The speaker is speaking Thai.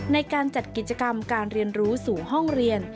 ในการจัดกิจกรรมการเรียนรู้สู่ห้องเรียน